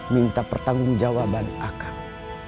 minta pertanggung jawaban akang